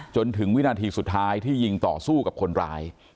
จนถึงวินาทีสุดท้ายที่ยิงต่อสู้กับคนร้าย